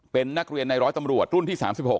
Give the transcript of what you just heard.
เป็นนักเรียนในร้อยตำรวจรุ่นที่๓๖